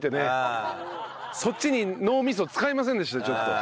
そっちに脳味噌使いませんでしたちょっと。